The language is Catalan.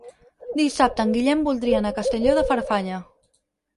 Dissabte en Guillem voldria anar a Castelló de Farfanya.